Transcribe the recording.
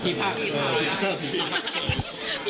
พี่ภาพพี่ภาพ